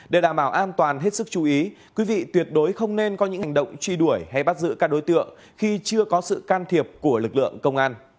để đảm bảo an toàn hết sức chú ý quý vị tuyệt đối không nên có những hành động truy đuổi hay bắt giữ các đối tượng khi chưa có sự can thiệp của lực lượng công an